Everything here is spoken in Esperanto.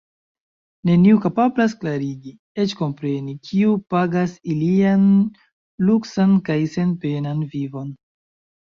Neniu kapablas klarigi, eĉ kompreni, kiu pagas ilian luksan kaj senpenan vivon.